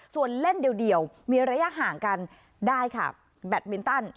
ส่วนเล่นเดียวมีระยะห่างกันได้ค่ะแบตมินตัน